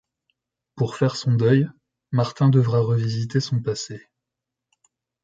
Pour faire son deuil, Martin devra revisiter son passé.